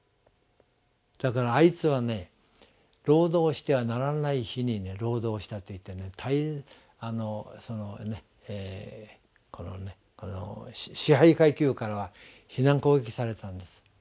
だからあいつは労働してはならない日に労働したといって支配階級からは非難攻撃されたんです。